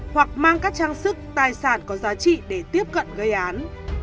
hoặc mang các trang sức tài sản có giá trị để tiếp cận gây án